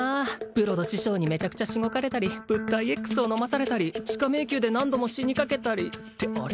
ブロド師匠にめちゃくちゃしごかれたり物体Ｘを飲まされたり地下迷宮で何度も死にかけたりってあれ？